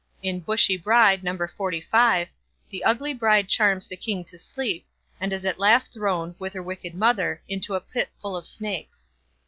In "Bushy Bride", No. xlv, the ugly bride charms the king to sleep, and is at last thrown, with her wicked mother, into a pit full of snakes.